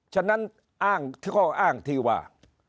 ฉะนั้นอ้างข้ออ้างที่ว่า